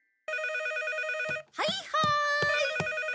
はいはーい！